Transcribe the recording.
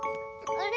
あれ？